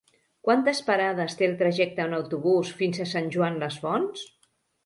Quantes parades té el trajecte en autobús fins a Sant Joan les Fonts?